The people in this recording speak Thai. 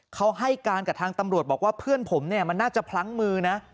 เขาให้การกับทางตำรวจบอกว่าเพื่อนผมเนี่ยมันน่าจะพลั้งมือนะ